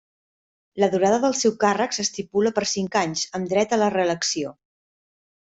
La durada del seu càrrec s'estipula per cinc anys amb dret a la reelecció.